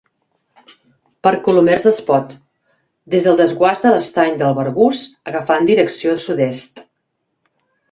Per Colomers d'Espot: des del desguàs de l'Estany del Bergús agafant direcció sud-est.